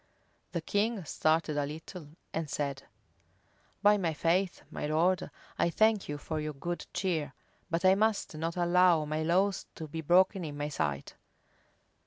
The king started a little, and said, "By my faith, my lord, I thank you for your good cheer, but I must not allow my laws to be broken in my sight.